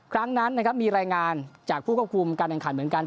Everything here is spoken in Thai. ครั้งนั้นนะครับมีรายงานจากผู้ควบคุมการแข่งขันเหมือนกัน